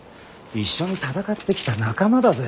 一緒に戦ってきた仲間だぜ。